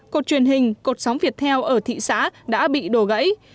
cột truyền hình cột sóng việt theo ở thị xã đã bị đổ gãy